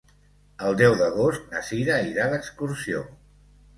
El deu d'agost na Sira irà d'excursió.